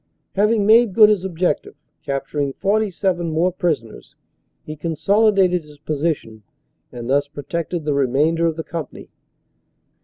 Having made good his objective, capturing 47 more prisoners, he consolidated his position and thus protected the remainder of the company.